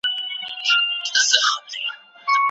ډيپلوماسي د هېوادونو ترمنځ د همکارۍ بنسټ دی.